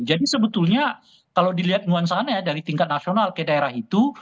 jadi sebetulnya kalau dilihat nuansaannya dari tingkat nasional ke daerah itu